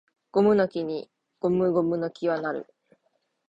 ゴムの木にゴムゴムの木は成る